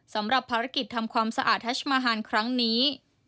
สำหรับภารกิจทำความสะอาดทัชมาฮานครั้งนี้